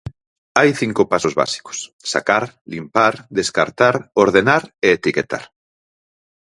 "Hai cinco pasos básicos: sacar, limpar, descartar, ordenar e etiquetar".